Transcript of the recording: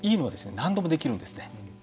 何度もできるんですね。